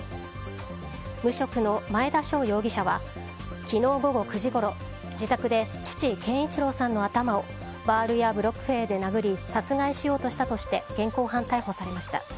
無職の前田翔容疑者は昨日午後９時ごろ自宅で父・憲一郎さんの頭をバールやブロック片で殴り殺害しようとしたとして現行犯逮捕されました。